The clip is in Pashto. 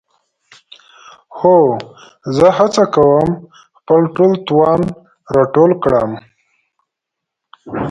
خو زه هڅه کوم خپل ټول توان راټول کړم.